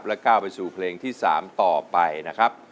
ก้าวไปสู่เพลงที่๓ต่อไปนะครับ